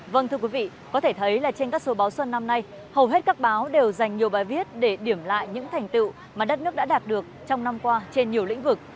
vâng thưa quý vị có thể thấy là trên các số báo xuân năm nay hầu hết các báo đều dành nhiều bài viết để điểm lại những thành tựu mà đất nước đã đạt được trong năm qua trên nhiều lĩnh vực